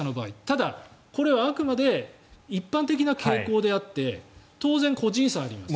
ただ、これはあくまで一般的な傾向であって当然、個人差があります。